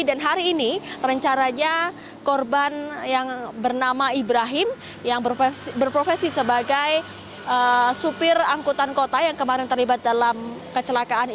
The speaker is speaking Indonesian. dan hari ini rencaranya korban yang bernama ibrahim yang berprofesi sebagai supir angkutan kota yang kemarin terlibat dalam kecelakaan ini